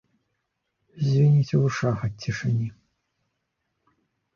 Звініць у вушах ад цішыні.